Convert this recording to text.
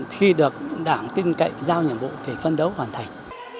khi được đảng tin cậy giao nhiệm vụ thì phân đấu hoàn thành